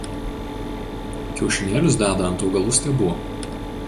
Kiaušinėlius deda ant augalų stiebų.